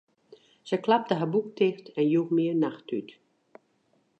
Se klapte har boek ticht en joech my in nachttút.